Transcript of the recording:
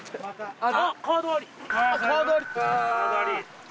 あっ！